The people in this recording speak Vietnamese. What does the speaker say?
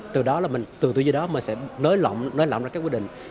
từ đó là mình từ từ dưới đó mình sẽ nới lỏng ra các quyết định